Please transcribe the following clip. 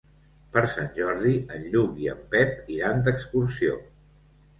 Per Sant Jordi en Lluc i en Pep iran d'excursió.